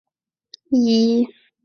曾任军事体育学校校长。